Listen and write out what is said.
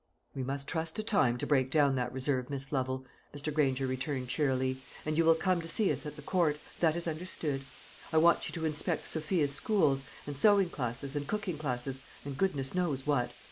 "We must trust to time to break down that reserve, Miss Lovel," Mr. Granger returned cheerily; "and you will come to see us at the Court that is understood. I want you to inspect Sophia's schools, and sewing classes, and cooking classes, and goodness knows what.